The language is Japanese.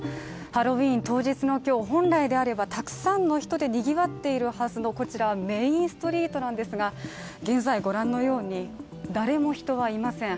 ハロウィーン当日の今日、本来であればたくさんの人でにぎわっているはずのこちら、メインストリートなんですが現在、ご覧のように、誰も人はいません。